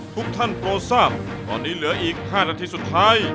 ทุกท่านโปรทราบตอนนี้เหลืออีก๕นาทีสุดท้าย